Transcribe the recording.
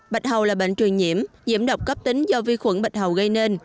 bạch hầu là bệnh truyền nhiễm diễm độc cấp tính do vi khuẩn bạch hầu gây nên